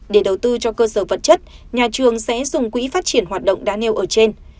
để đầu tư cho cơ sở vật chất nhà trường sẽ dùng quỹ phát triển hoạt động đã nêu ở trên